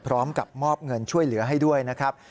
พร้อมกับมอบเงินช่วยเหลือให้ด้วยนะครับ